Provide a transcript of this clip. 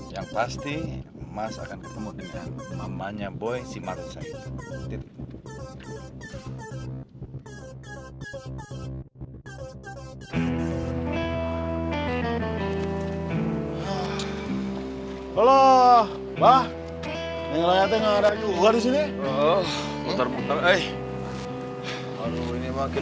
yang pasti mas akan ketemu dengan mamanya boy si marsai